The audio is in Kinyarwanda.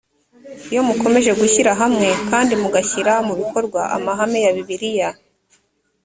iyo mukomeje gushyira hamwe kandi mugashyira mu bikorwa amahame ya bibiliya